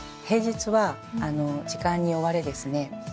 平日は時間に追われですね